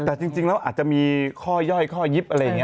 แต่จริงแล้วอาจจะมีข้อย่อยข้อยิบอะไรอย่างนี้